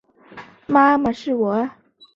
妈妈，是我